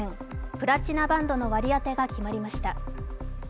プラチナバンドの割り当てが決まりました。